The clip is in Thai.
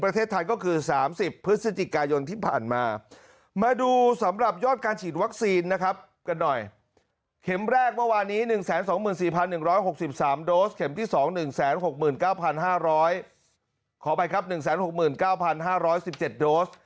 กันหน่อยเข็มแรกเมื่อวานี้๑๒๔๑๖๓โดสเข็มที่๒๑๖๙๕๑๗โดส